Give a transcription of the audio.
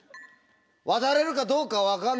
渡れるかどうか分かんない。